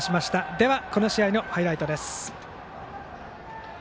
ではこの試合のハイライトです。